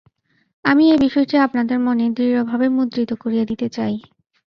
আমি এই বিষয়টি আপনাদের মনে দৃঢ়ভাবে মুদ্রিত করিয়া দিতে চাই।